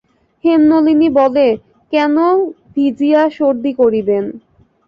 হেমনলিনী বলে, কেন ভিজিয়া সর্দি করিবেন?